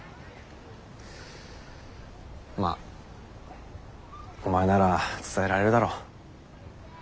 まあお前なら伝えられるだろ。